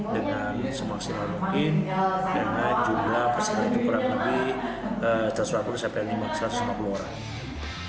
dengan semaksimal mungkin dengan jumlah peserta itu kurang lebih satu ratus lima puluh sampai satu ratus lima puluh orang